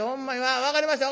分かりました。